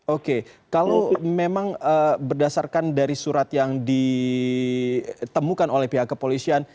oke kalau memang berdasarkan dari surat yang ditemukan oleh pihak kepolisian